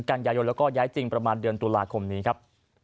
กันยายนแล้วก็ย้ายจริงประมาณเดือนตุลาคมนี้ครับ